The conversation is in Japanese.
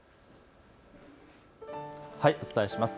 お伝えします。